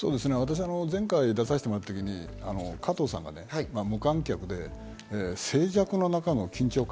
前回出させてもらったときに、加藤さんが無観客で静寂の中での緊張感。